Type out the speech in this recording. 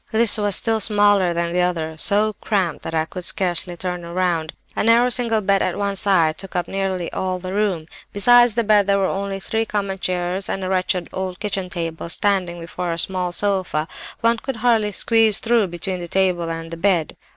"This was still smaller than the other, so cramped that I could scarcely turn round; a narrow single bed at one side took up nearly all the room. Besides the bed there were only three common chairs, and a wretched old kitchen table standing before a small sofa. One could hardly squeeze through between the table and the bed.